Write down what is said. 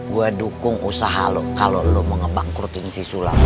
gua dukung usaha lu kalau lu mau ngebangkrutin si sulam